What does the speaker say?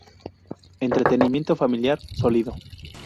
Entretenimiento familiar sólido".